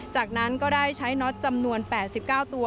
จากนั้นก็ได้ใช้น็อตจำนวน๘๙ตัว